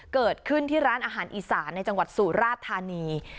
เกิดขึ้นที่ร้านอาหารอีสานในจังหวัดสุราธานี